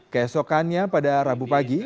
keesokannya pada rabu pagi